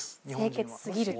「清潔すぎる」と。